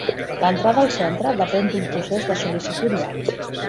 L'entrada al centre depèn d'un procés de sol·licitud llarg.